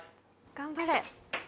頑張れ。